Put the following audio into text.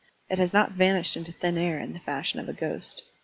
It has not vanished into the air in the fashion of a ghost.